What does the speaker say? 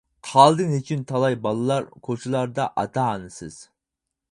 قالدى نېچۈن تالاي بالىلار، كوچىلاردا ئاتا-ئانىسىز.